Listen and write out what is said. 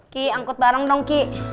ki angkut bareng dong ki